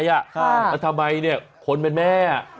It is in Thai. แล้วทำไมเนี่ยคนเป็นแม่